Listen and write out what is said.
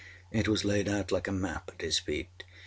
It was laid out like a map at his feet.